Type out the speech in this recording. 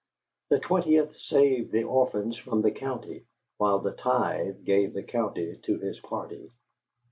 The twentieth saved the orphans from the county, while the tithe gave the county to his party.